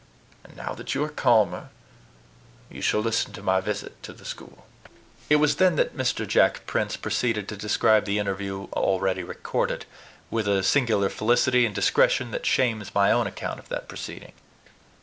And, now that you are calmer, you shall listen to my visit to the school." It was then that Mr. Jack Prince proceeded to describe the interview already recorded, with a singular felicity and discretion that shames my own account of that proceeding.